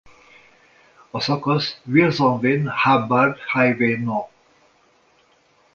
A szakasz Wilsonville–Hubbard Highway No.